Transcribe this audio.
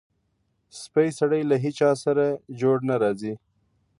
سپی سړی له هېچاسره جوړ نه راځي.